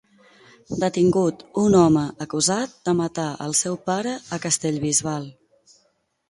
Detingut un home acusat de matar el seu pare a Castellbisbal.